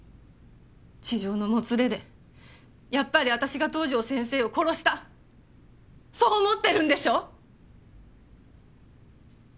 痴情のもつれでやっぱり私が東条先生を殺したそう思ってるんでしょ！？